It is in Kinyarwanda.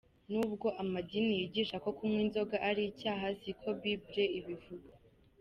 Nubwo amadini yigisha ko "kunywa inzoga ari icyaha",siko Bible ivuga.